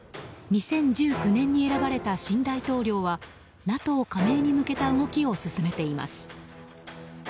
２０１９年に選ばれた新大統領はＮＡＴＯ加盟に向けた動きを進めています。